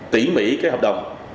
tỉ mỉ cái hợp đồng